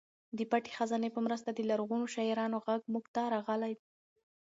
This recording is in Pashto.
د پټې خزانې په مرسته د لرغونو شاعرانو غږ موږ ته راغلی.